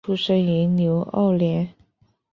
出生于纽奥良。